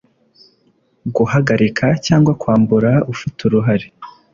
Guhagarika cyangwa kwambura ufite uruhare